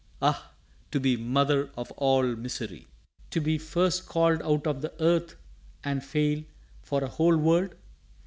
Ah, to be mother of all misery! To be first called out of the earth and fail For a whole world!